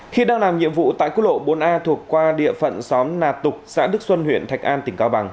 khi đang làm nhiệm vụ tại quốc lộ bốn a thuộc qua địa phận xóm nà tục xã đức xuân huyện thạch an tỉnh cao bằng